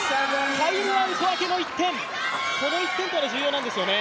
タイムアウト明けの１点この１点というのは重要なんですよね？